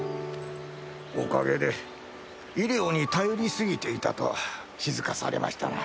おかげで医療に頼りすぎていたと気づかされましたな。